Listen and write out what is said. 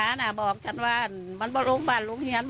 ไอ้กาน่ะบอกฉันว่ามันว่าโรงพยาบาลลุงเฮียน